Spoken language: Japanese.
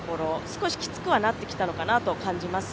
少しきつくはなってきたのかなとは感じます。